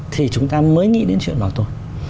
thì chúng ta mới nghĩ đến chuyện bảo tồn